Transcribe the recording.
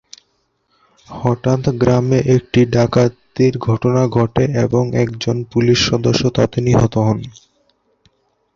হঠাৎ গ্রামে একটি ডাকাতির ঘটনা ঘটে এবং একজন পুলিশ সদস্য তাতে নিহত হন।